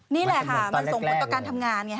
นี่แหละค่ะมันส่งผลต่อการทำงานไง